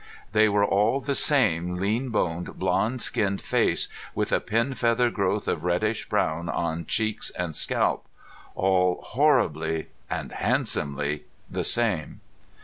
They were all the same lean boned, blond skinned face, with a pin feather growth of reddish down on cheeks and scalp. All horribly and handsomely the same.